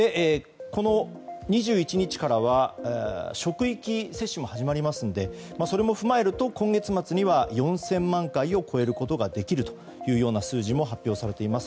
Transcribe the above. ２１日からは職域接種も始まりますのでそれも踏まえると今月末には４０００万回を超えることができるというような数字も発表されています。